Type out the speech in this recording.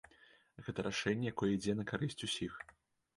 Гэта рашэнне, якое ідзе на карысць усіх.